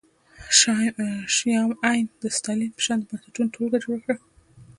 شیام عین د ستالین په شان د بنسټونو ټولګه جوړه کړه